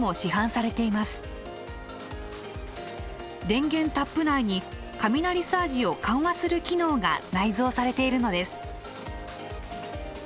電源タップ内に雷サージを緩和する機能が内蔵されているのです。